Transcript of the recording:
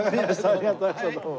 ありがとうございましたどうも。